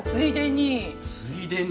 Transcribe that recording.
ついでに？